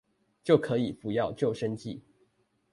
就可以不要舊生計